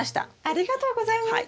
ありがとうございます。